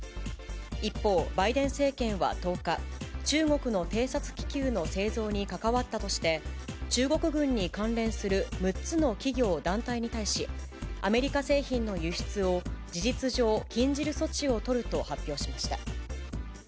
一方、バイデン政権は１０日、中国の偵察気球の製造に関わったとして、中国軍に関連する６つの企業、団体に対し、アメリカ製品の輸出を、事実上禁じる措置を取ると発表しました。